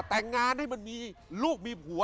แต่งงานให้มันมีลูกมีผัว